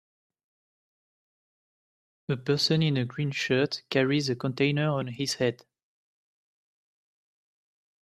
A person in a green shirt carries a container on his head.